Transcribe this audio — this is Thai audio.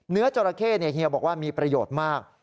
เนื้อจราเข้เนี่ยเฮียบอกว่ามีประโยชน์มาก